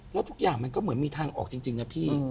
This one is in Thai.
แล้วมันก็ถึงมีทางออกจริงนะพี่